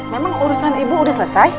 memang urusan ibu sudah selesai